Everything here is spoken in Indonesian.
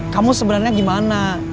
kamu sebenarnya gimana